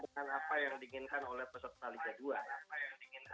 dengan apa yang diinginkan oleh peserta liga dua